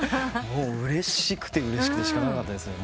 うれしくてうれしくて仕方なかったですね。